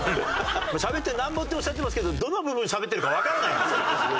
しゃべってなんぼっておっしゃってますけどどの部分をしゃべってるかわからないんですよ。